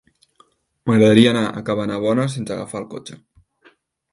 M'agradaria anar a Cabanabona sense agafar el cotxe.